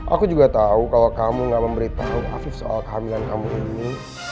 aku juga tahu kalau kamu gak memberitahu aku soal kehamilan kamu ini